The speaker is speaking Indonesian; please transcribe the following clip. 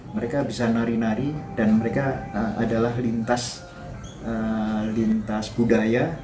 mereka bisa nari nari dan mereka adalah lintas budaya